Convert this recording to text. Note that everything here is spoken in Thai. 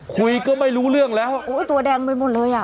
คุยก็ไม่รู้เรื่องแล้วโอ้ยตัวแดงไปหมดเลยอ่ะ